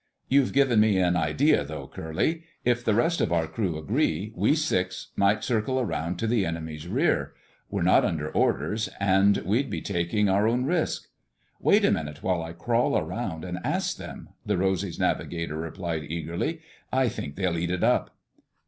You've given me an idea, though, Curly. If the rest of our crew agree, we six might circle around to the enemy's rear. We're not under orders, and we'd be taking our own risk." "Wait a minute while I crawl around and ask them," the Rosy's navigator replied eagerly. "I think they'll eat it up!"